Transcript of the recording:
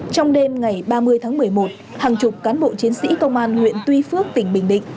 trong đêm ngày ba mươi tháng một mươi một hàng chục cán bộ chiến sĩ công an huyện tuy phước tỉnh bình định